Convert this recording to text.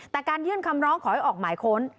แต่การยื่นคำร้องขอให้ออกหมายค้น